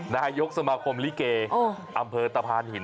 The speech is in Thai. นายกสมาคมลิเกอำเภอตะพานหิน